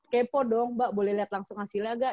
kepo dong mbak boleh lihat langsung hasilnya gak